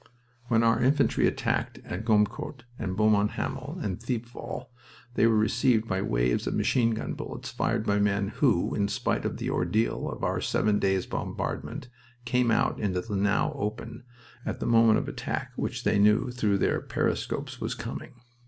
When our infantry attacked at Gommecourt and Beaumont Hamel and Thiepval they were received by waves of machine gun bullets fired by men who, in spite of the ordeal of our seven days' bombardment, came out into the open now, at the moment of attack which they knew through their periscopes was coming.